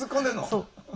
そう。